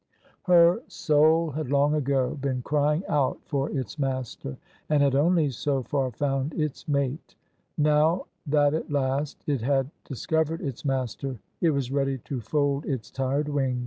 Her soul had long ago been crying out for its master, and had only so far found its mate : now that at last it had dis covered its master, it was ready to fold its tired wing?